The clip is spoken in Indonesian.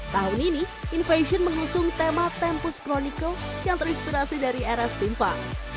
tahun ini invation mengusung tema tempus chronicle yang terinspirasi dari era steampunk